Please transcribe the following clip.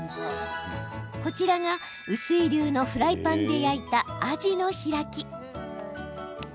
こちらがうすい流のフライパンで焼いたあじの開き。